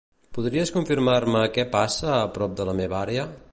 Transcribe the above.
Podries confirmar-me què passa a prop de la meva àrea?